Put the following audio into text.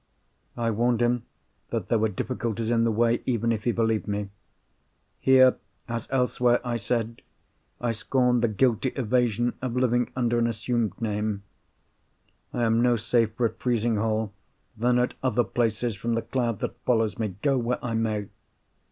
I warned him that there were difficulties in the way, even if he believed me. 'Here, as elsewhere,' I said 'I scorn the guilty evasion of living under an assumed name: I am no safer at Frizinghall than at other places from the cloud that follows me, go where I may.